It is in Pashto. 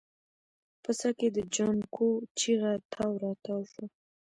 په څاه کې د جانکو چيغه تاو راتاو شوه.